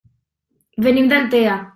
Venim d'Altea.